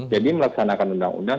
jadi melaksanakan undang undang